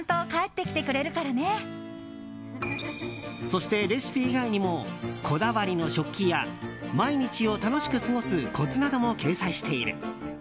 そして、レシピ以外にもこだわりの食器や毎日を楽しく過ごすコツなども掲載している。